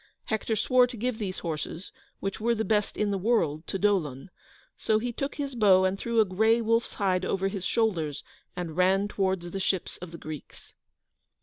Hector swore to give these horses, which were the best in the world, to Dolon, so he took his bow and threw a grey wolf's hide over his shoulders, and ran towards the ships of the Greeks.